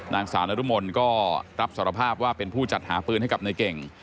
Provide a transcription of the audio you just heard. นางสาวนรมนก็รับสารภาพว่าเป็นผู้จัดหาปืนให้กับนายเก่ง